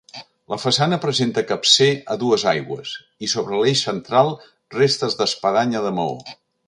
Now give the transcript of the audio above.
La façana presenta capcer a dues aigües, i sobre l'eix central, restes d'espadanya de maó.